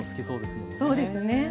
そうですね